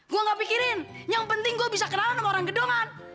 gua ga pikirin yang penting gua bisa kenalan sama orang gedongan